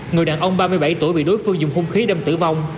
người đàn ông ba mươi bảy tuổi bị đối phương dùng hung khí đâm tử vong